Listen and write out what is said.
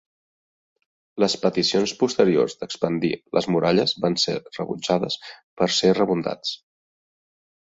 Les peticions posteriors d'expandir les muralles van ser rebutjades per ser redundats.